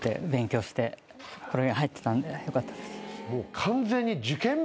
これに入ってたんでよかったです。